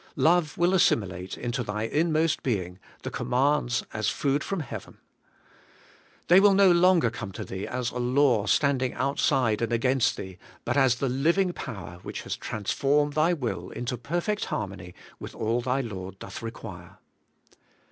Love will assimilate into thy inmost being the commands as food from heaven. They will no longer come to thee as a law standing outside and against thee, but as the liv ing power which has transformed thy will into perfect harmony with all thy Lord doth require.